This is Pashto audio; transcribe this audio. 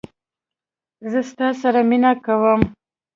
زه ستا سره مینه کوم